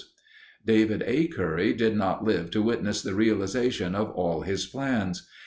David A. Curry did not live to witness the realization of all his plans.